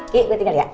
kiki gue tinggal ya